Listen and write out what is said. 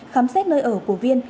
khám xét nơi ở của viên